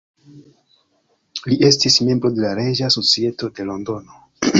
Li estis membro de la Reĝa Societo de Londono.